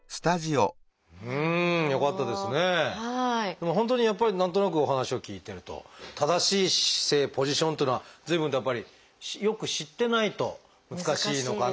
でも本当にやっぱり何となくお話を聞いてると正しい姿勢ポジションっていうのは随分とやっぱりよく知ってないと難しいのかなという感じがしましたね。